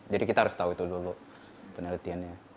jadi kita harus tahu itu dulu penelitiannya